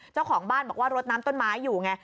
เจ้าของบ้านบอกว่ารดน้ำต้นไม้อยู่ไง